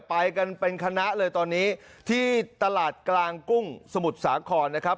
ไปกันเป็นคณะเลยตอนนี้ที่ตลาดกลางกุ้งสมุทรสาครนะครับ